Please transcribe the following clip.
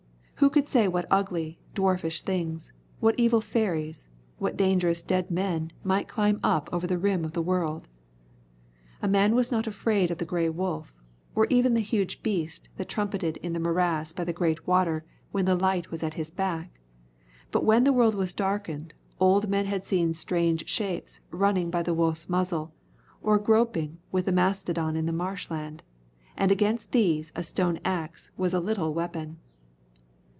Who could say what ugly, dwarfish things, what evil fairies, what dangerous dead men might climb up over the rim of the world? A man was not afraid of the grey wolf, or even the huge beast that trumpeted in the morass by the great water when the light was at his back, but when the world was darkened old men had seen strange shapes running by the wolf's muzzle, or groping with the big mastodon in the marsh land, and against these a stone axe was a little weapon.